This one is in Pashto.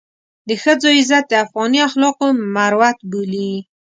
د ښځو عزت د افغاني اخلاقو مروت بولي.